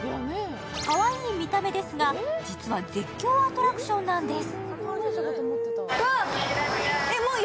かわいい見た目ですが、実は絶叫アトラクションなんです。